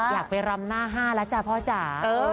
อยากไปรำหน้าห้าแล้วจ้ะพ่อจ๋า